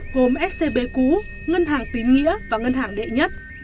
gồm scb cũ ngân hàng tín nghĩa và ngân hàng đệ nhất